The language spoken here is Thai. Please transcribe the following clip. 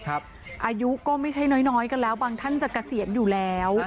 อายุก็ไม่ใช่น้อยกันแล้วบางท่านจะเกษียณอยู่แล้ว